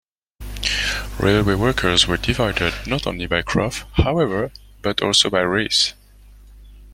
Railway workers were divided not only by craft, however, but also by race.